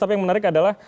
tapi yang menarik adalah